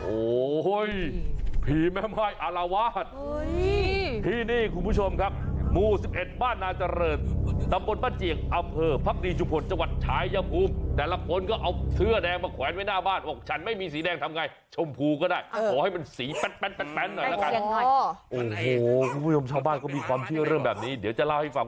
โอ้โห้ยผีแม่มายอารวาสที่นี่คุณผู้ชมครับหมู่๑๑บ้านนาจริรตรับบนประเจียงอำเภอภักดีจุพลจังหวัดชายภูมิแต่ละคนก็เอาเสื้อแดงมาขวานไว้หน้าบ้านบอกฉันไม่มีสีแดงทำไงชมพูก็ได้ขอให้มันสีแป๊นหน่อยละกัน